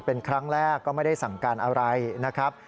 เป็นครั้งแรกก็ไม่ได้สั่งการอะไรนะครับ